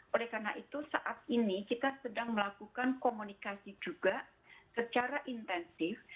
oleh karena itu saat ini kita sedang melakukan komunikasi juga secara intensif